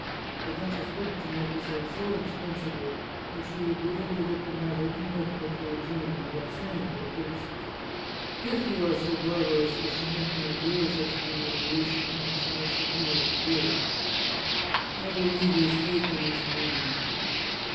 The duchess hoped to make herself so indispensable that she would be able to get the matter indefinitely adjourned by saying to the prince, "If you are so barbarous as to make me endure such a humiliation, which I should never forgive, I will leave your state the next morning."